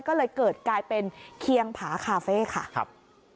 ก็เลยเกิดกลายเป็นเคียงผาคาเฟ่ค่ะครับ